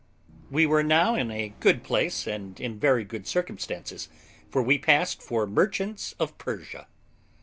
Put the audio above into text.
We were now in a good place, and in very good circumstances, for we passed for merchants of Persia.